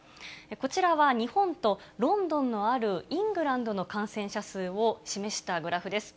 こちらは、日本とロンドンのあるイングランドの感染者数を示したグラフです。